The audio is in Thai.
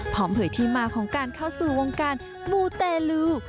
เผยที่มาของการเข้าสู่วงการมูเตลู